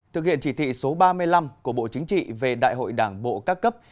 thực hiện chỉ thị số ba mươi năm của bộ chính trị về đại hội đảng bộ các cấp